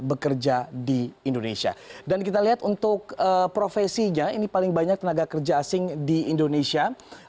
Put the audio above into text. bekerja di indonesia dan kita lihat untuk profesinya ini paling banyak tenaga kerja asing di indonesia